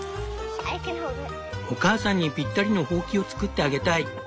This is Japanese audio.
「お母さんにぴったりのホウキを作ってあげたい」。